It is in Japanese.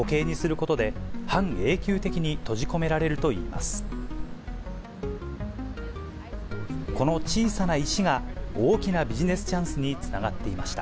この小さな石が、大きなビジネスチャンスにつながっていました。